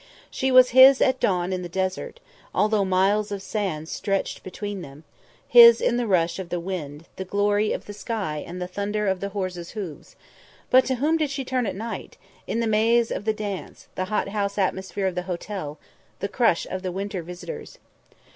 She was his at dawn in the desert, although miles of sand stretched between them; his in the rush of the wind, the glory of the sky and the thunder of the horses' hoofs; but to whom did she turn at night; in the maze of the dance; the hothouse atmosphere of the hotel; the crush of the winter visitors?